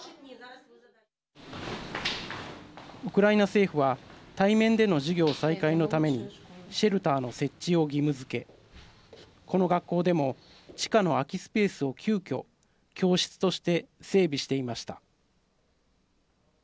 ウクライナ政府は対面での授業再開のためにシェルターの設置を義務づけこの学校でも地下の空きスペースを急きょ教室として整備していました。